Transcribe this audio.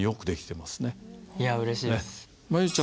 いやうれしいです。